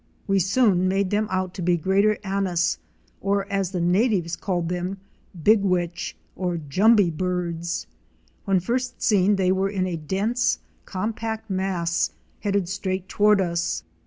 We soon made them out to be Greater Anis," or as the natives called them " Big Witch" or '' Jumbie Birds.'' When first seen they were in a dense, compact mass headed straight toward us.